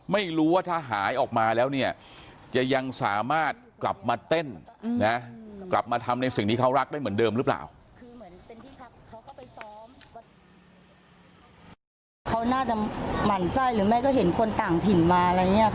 ไม่รู้ว่าถ้าหายออกมาแล้วเนี่ยจะยังสามารถกลับมาเต้นนะกลับมาทำในสิ่งที่เขารักได้เหมือนเดิมหรือเปล่า